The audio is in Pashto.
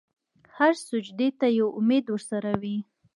هر سجدې ته یو امید ورسره وي.